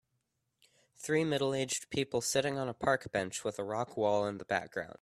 Three middleaged people sitting on a park bench, with a rock wall in the background.